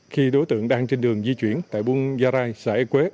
khi đối tượng đang trên đường di chuyển tại buôn gia rai xã e quế